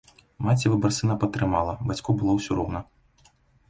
Маці выбар сына падтрымала, бацьку было ўсё роўна.